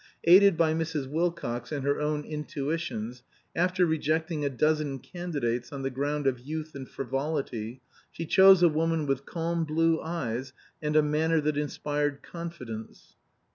Aided by Mrs. Wilcox and her own intuitions, after rejecting a dozen candidates on the ground of youth and frivolity, she chose a woman with calm blue eyes and a manner that inspired confidence.